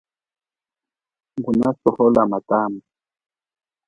Nguna sohola matamba.